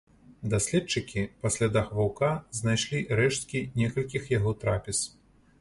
Даследчыкі па слядах ваўка знайшлі рэшткі некалькіх яго трапез.